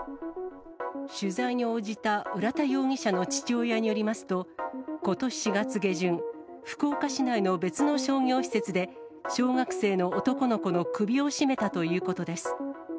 取材に応じた浦田容疑者の父親によりますと、ことし４月下旬、福岡市内の別の商業施設で小学生の男の子の首を絞めたということです。